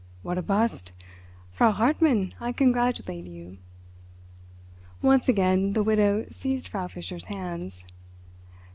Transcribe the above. What a bust! Frau Hartmann, I congratulate you." Once again the Widow seized Frau Fischer's hands.